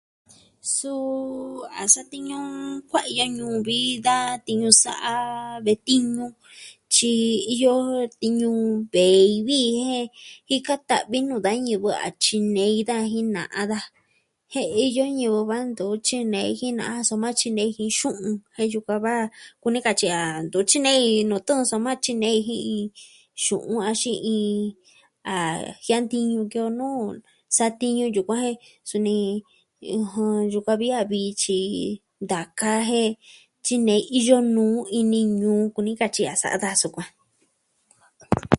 Suu a satiñu... kuaiyo a ñuu vi da tiñu sa'a. Ve'i tiñu. Tyi iyo tiñu ve'i vii jen jika ta'vi nuu da ñivɨ a tyinei da jin na'a daja. Jen iyo ñivɨ va'a ntu tyu'un neji na'a soma tyinei jin xu'un. Jen yukuan va kuni katyi a ntu tyinei nuu tɨɨn soma tyinei jin xu'un axin a jiantiñu kee o nuu satiñu yukuan jen suni... ɨjɨn... yukuan vi a vi tyi taka jen tyinei iyo nuu ini ñuu kuni katyi a sa'a daja sukuan.